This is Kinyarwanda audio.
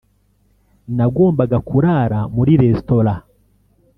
nagombaga kurara muri restaurant